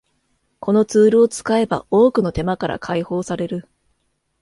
このツールを使えば多くの手間から解放される